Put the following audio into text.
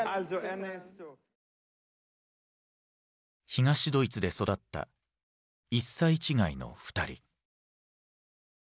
東ドイツで育った１歳違いの２人。